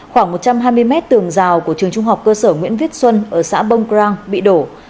khoảng một trăm hai mươi mét tường rào của trường trung học cơ sở nguyễn viết xuân ở xã bông rang bị đổ